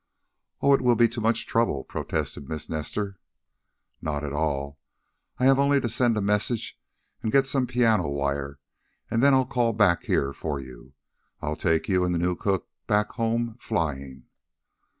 "Oh, it will be too much trouble," protested Miss Nestor. "Not at all. I have only to send a message, and get some piano wire, and then I'll call back here for you. I'll take you and the new cook back home flying."